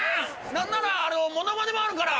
なんならモノマネもあるから。